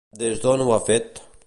Des d'on ho ha fet?